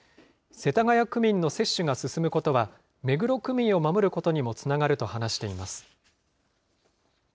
世田谷区民の接種が進むことは、目黒区民を守ることにもつながると話しています。